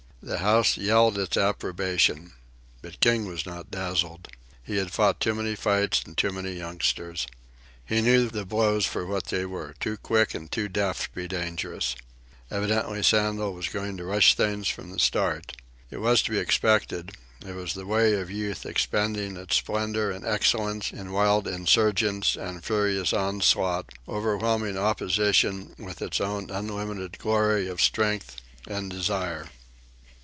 The house yelled its approbation. But King was not dazzled. He had fought too many fights and too many youngsters. He knew the blows for what they were too quick and too deft to be dangerous. Evidently Sandel was going to rush things from the start. It was to be expected. It was the way of Youth, expending its splendour and excellence in wild insurgence and furious onslaught, overwhelming opposition with its own unlimited glory of strength and desire.